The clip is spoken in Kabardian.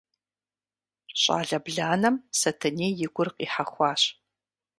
Щӏалэ бланэм Сэтэней и гур къихьэхуащ.